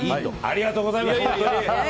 ありがとうございます！